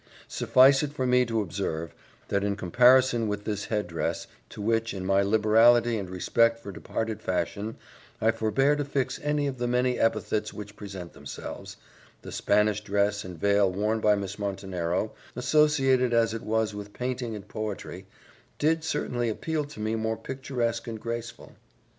Suffice it for me to observe, that in comparison with this head dress, to which, in my liberality and respect for departed fashion, I forbear to fix any of the many epithets which present themselves, the Spanish dress and veil worn by Miss Montenero, associated as it was with painting and poetry, did certainly appear to me more picturesque and graceful.